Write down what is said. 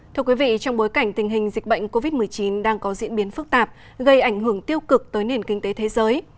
thưa quý vị trong bối cảnh tình hình dịch bệnh covid một mươi chín đang có diễn biến phức tạp gây ảnh hưởng tiêu cực tới nền kinh tế thế giới